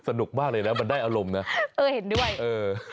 สนุกมากเลยนะมันได้อารมณ์นะเออเห็นด้วยเออ